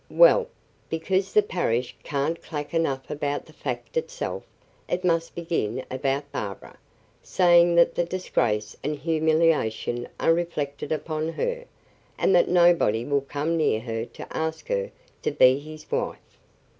Well, because the parish can't clack enough about the fact itself, it must begin about Barbara, saying that the disgrace and humiliation are reflected upon her, and that nobody will come near her to ask her to be his wife.